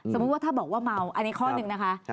สมมุติว่าถ้าบอกว่าเมาอันนี้ข้อหนึ่งนะคะ